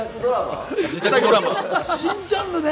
新ジャンルね。